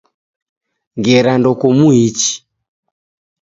Ngera ndokumuichi